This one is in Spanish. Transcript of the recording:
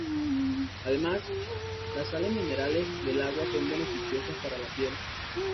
Además, las sales minerales del agua son beneficiosas para la piel.